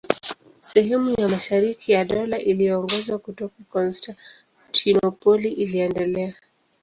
Sehemu ya mashariki ya Dola iliyoongozwa kutoka Konstantinopoli iliendelea.